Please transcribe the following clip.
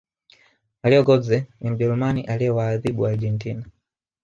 mario gotze ni mjerumani aliyewaathibu argentina